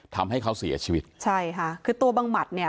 ทำให้เขาเสียชีวิตใช่ค่ะคือตัวบังหมัดเนี่ย